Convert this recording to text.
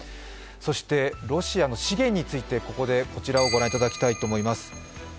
そしてロシアの資源について、こちらを御覧いただきたいと思います。